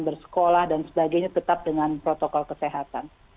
bersekolah dan sebagainya tetap dengan protokol kesehatan